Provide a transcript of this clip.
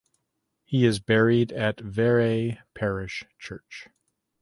He is buried at Vere Parish Church.